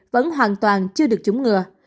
vẫn hoàn toàn chưa được chủng ngừa